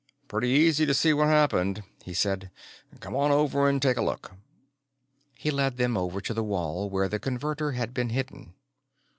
"Pretty easy to see what happened," he said. "Come on over and take a look." He led them over to the wall where the Converter had been hidden.